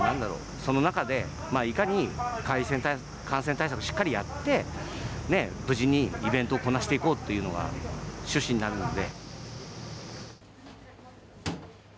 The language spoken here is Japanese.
その中でいかに感染対策をしっかりやって無事にイベントをこなしていこうっていうのが趣旨になるので。